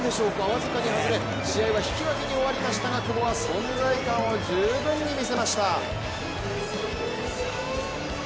僅かに外れ試合は引き分けに終わりましたが久保は存在感を十分に見せました。